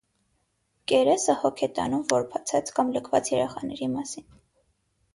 Կերեսը հոգ է տանում որբացած կամ լքված երեխաների մասին։